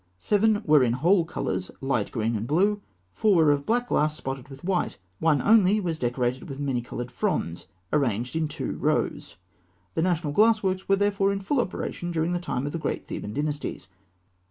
Seven were in whole colours, light green and blue; four were of black glass spotted with white; one only was decorated with many coloured fronds arranged in two rows (fig. 228). The national glass works were therefore in full operation during the time of the great Theban dynasties.